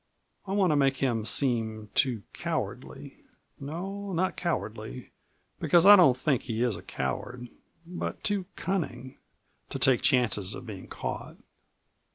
I want to make him seem too cowardly no, not cowardly, because I don't think he is a coward: but too cunning to take chances of being caught."